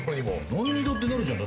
何にだってなるじゃん。